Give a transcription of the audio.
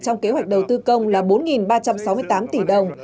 trong kế hoạch đầu tư công là bốn ba trăm sáu mươi tám tỷ đồng